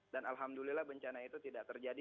dan alhamdulillah bencana itu tidak terjadi